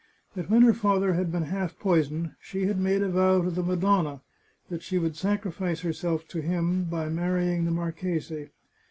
But when her father had been half poisoned, she had made a vow to the Madonna that she would sacrifice herself to him by marrying the mar chese.